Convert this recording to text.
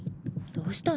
どうしたの？